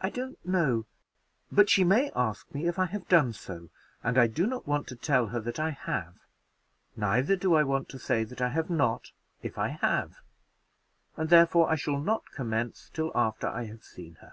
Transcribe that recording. "I don't know, but she may ask me if I have done so, and I do not want to tell her that I have; neither do I want to say that I have not, if I have; and therefore I shall not commence till after I have seen her."